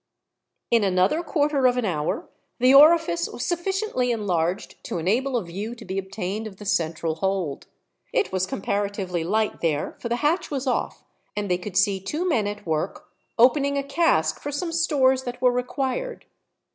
In another quarter of an hour, the orifice was sufficiently enlarged to enable a view to be obtained of the central hold. It was comparatively light there, for the hatch was off, and they could see two men at work, opening a cask for some stores that were required.